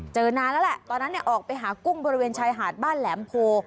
นานแล้วแหละตอนนั้นออกไปหากุ้งบริเวณชายหาดบ้านแหลมโพ